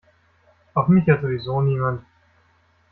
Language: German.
Auf mich hört sowieso niemand.